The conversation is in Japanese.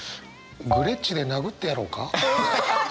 グレッチで殴ってやろうか？